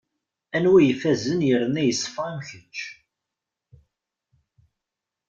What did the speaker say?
Anwa i yefazen yerna yeṣfa am kečč?